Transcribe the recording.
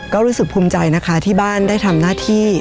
ก็รู้สึกภูมิใจนะคะที่บ้านได้ทำหน้าที่